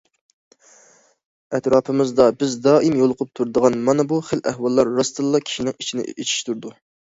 ئەتراپىمىزدا بىز دائىم يولۇقۇپ تۇرىدىغان مانا بۇ خىل ئەھۋاللار راستتىنلا كىشىنىڭ ئىچىنى ئېچىشتۇرىدۇ.